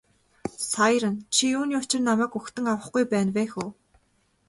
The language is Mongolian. Сайран чи юуны учир намайг угтан авахгүй байна вэ хө.